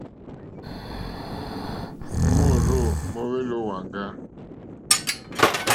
Môrzô móhwélì ó wàŋgá.